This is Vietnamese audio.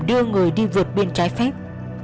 đưa người đi vượt biển trái phép